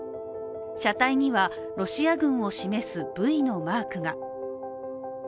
車体には、ロシア軍を示す「Ｖ」のマークが。